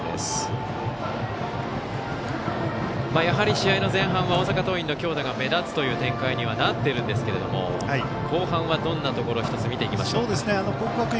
やはり試合の前半は大阪桐蔭の強打が目立つという展開にはなっているんですけども後半はどんなところを１つ見ていきましょうか？